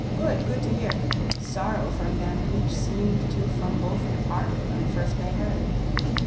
Good, good to hear: sorrow from them each seemed to from both depart when first they heard.